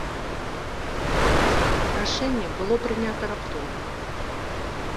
Рашэнне было прынята раптоўна.